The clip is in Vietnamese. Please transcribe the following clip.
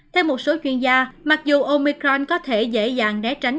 theo một số chuyên gia mặc dù omicron có thể dễ dàng né tránh